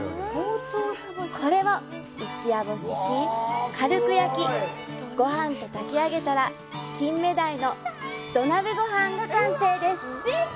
これを一夜干しし、軽く焼きごはんと炊き上げたらキンメダイの土鍋ごはんが完成です。